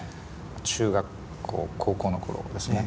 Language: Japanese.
中学校高校の頃ですね